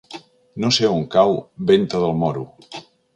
No sé on cau Venta del Moro.